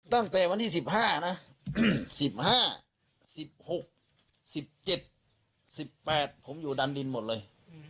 ตั้งแต่วันที่๑๕นะ๑๕๑๖๑๗๑๘ผมอยู่ดันดินหมดเลย